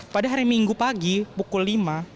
pada hari minggu pagi pukul lima